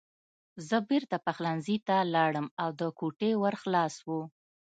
زه بېرته پخلنځي ته لاړم او د کوټې ور خلاص و